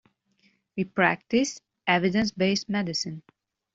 We practice evidence-based medicine.